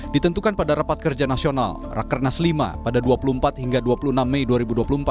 ditentukan pada rapat kerja nasional rakernas lima pada dua puluh empat hingga dua puluh enam mei dua ribu dua puluh empat